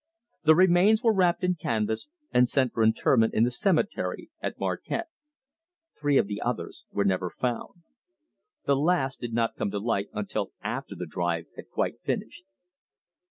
The remains were wrapped in canvas and sent for interment in the cemetery at Marquette. Three of the others were never found. The last did not come to light until after the drive had quite finished.